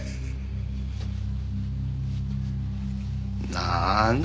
なーんだ。